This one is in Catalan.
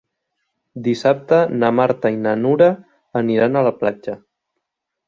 Dissabte na Marta i na Nura aniran a la platja.